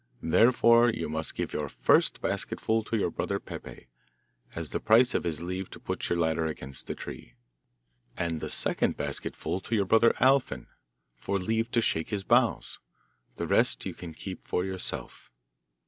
Therefore you must give your first basketful to your brother Peppe, as the price of his leave to put your ladder against the tree; and the second basketful to your brother Alfin, for leave to shake his boughs. The rest you can keep for yourself.